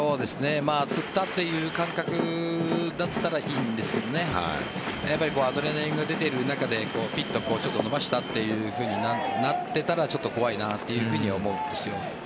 つったという感覚だったらいいんですがアドレナリンが出ている中でちょっと伸ばしたというふうになっていたらちょっと怖いなと思うんです。